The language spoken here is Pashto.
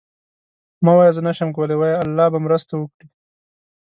مه وایه زه نشم کولی، وایه الله به مرسته وکړي.